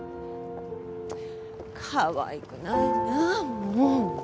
かわいくないなあもうっ